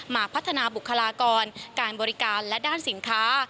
มาพัฒนาบุคลากรการบริการและด้านสินค้า